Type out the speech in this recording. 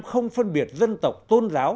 không phân biệt dân tộc tôn giáo